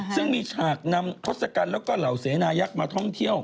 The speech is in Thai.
ซึ่งมีฉากนำทศกัณฐ์แล้วก็เหล่าเสนายักษ์มาท่องเที่ยว